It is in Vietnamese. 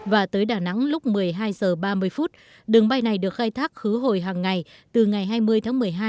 và tới đà nẵng lúc một mươi hai h ba mươi đường bay này được khai thác khứ hồi hàng ngày từ ngày hai mươi tháng một mươi hai